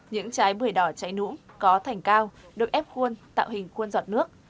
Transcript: những trái bưởi đỏ cháy nũ có thảnh cao được ép cuôn tạo hình cuôn giọt nước